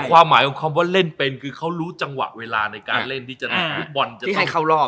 ความหมายของเอาเล่นเป็นคือเค้ารู้จังหวะเวลาในการเล่นปลุ๊กบอล